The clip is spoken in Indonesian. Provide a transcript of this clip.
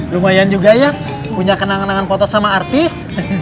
lumayan juga ya punya kenangan kenangan foto sama artis